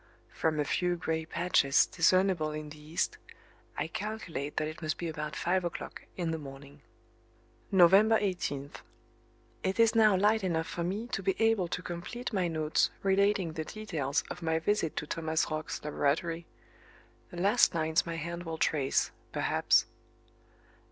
From a few gray patches discernable in the east, I calculate that it must be about five o'clock in the morning. November 18. It is now light enough for me to be able to complete my notes relating the details of my visit to Thomas Roch's laboratory the last lines my hand will trace, perhaps.